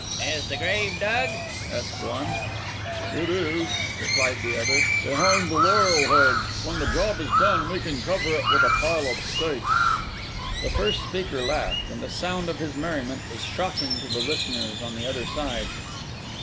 "Is the grave dug?" asked one. "It is," replied the other; "behind the laurel hedge. When the job is done, we can cover it with a pile of stakes." The first speaker laughed, and the sound of his merriment was shocking to the listeners on the other side.